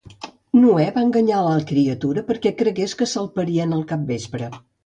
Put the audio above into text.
Noè va enganyar a la criatura perquè cregués que salparien al capvespre